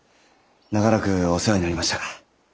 長らくお世話になりましたが。